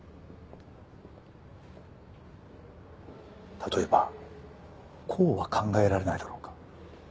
例えばこうは考えられないだろうか？